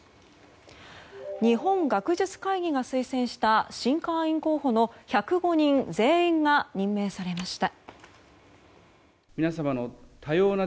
日本学術会議が推薦した新会員候補の１０５人全員が任命されました。